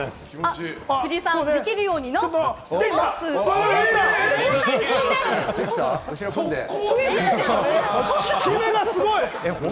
藤井さんできるようになってこれはすごい！